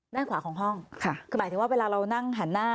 ด้านขวาของห้องค่ะคือหมายถึงว่าเวลาเรานั่งหันหน้า